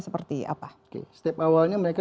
seperti apa setiap awalnya mereka